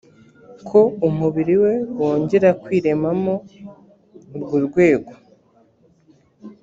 ko umubiri we wongera kwiremamo urwo rwego